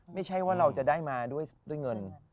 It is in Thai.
ไม่ใช่ว่าเราจะได้มาด้วยเงิน